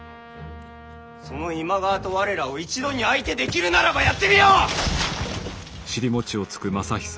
その今川と我らを一度に相手できるならばやってみよ！